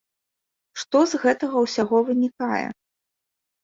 Што з гэтага ўсяго вынікае?